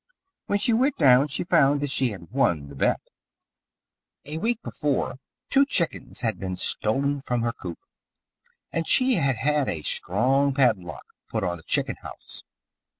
When she went down she found that she had won the bet. A week before two chickens had been stolen from her coop, and she had had a strong padlock put on the chicken house.